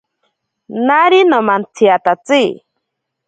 Nari nomantsiatatsi.